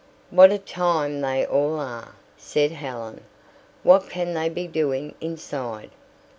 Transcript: "What a time they all are!" said Helen. "What can they be doing inside?"